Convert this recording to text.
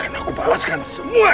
desa horengin vitu pak